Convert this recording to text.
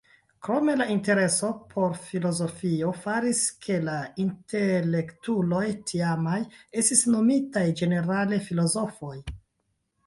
Krome la intereso por filozofio faris ke la intelektuloj tiamaj estis nomitaj ĝenerale "filozofoj".